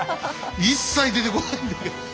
一切出てこないんだけど。